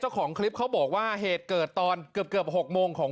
เจ้าของคลิปเขาบอกว่าเหตุเกิดตอนเกือบ๖โมงของ